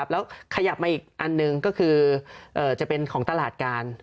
แล้วขยับมาอีกอันหนึ่งก็คือจะเป็นของตลาดการ